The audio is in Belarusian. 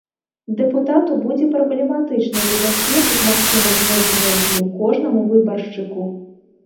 Дэпутату будзе праблематычна забяспечыць магчымасць зносінаў з ім кожнаму выбаршчыку.